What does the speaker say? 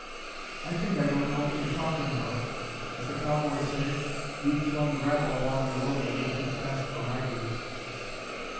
"I think I don't know what you're talking about. As the cowboys say, you've flung gravel along the road a little too fast for my gait."